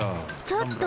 ちょっと！